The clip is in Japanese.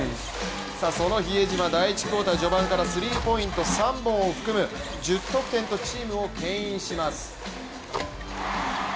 その比江島、第１クオーターからスリーポイントシュート３本を含む１０得点とチームをけん引します。